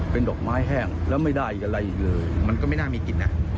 เป็นดอกไม้แห้งแล้วไม่ได้อะไรอีกเลยมันก็ไม่น่ามีกลิ่นนะ